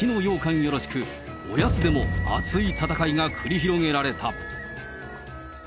よろしく、おやつでも熱い戦いが繰り広げられた。